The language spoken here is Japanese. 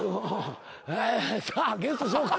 さあゲスト紹介。